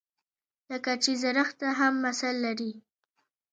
لکه چې زړښت هم اثر لري.